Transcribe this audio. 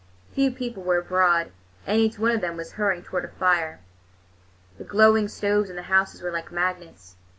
Few people were abroad, and each one of them was hurrying toward a fire. The glowing stoves in the houses were like magnets.